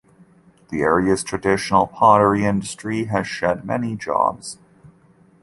The area's traditional pottery industry has shed many jobs.